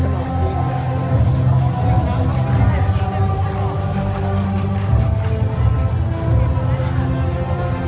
สโลแมคริปราบาล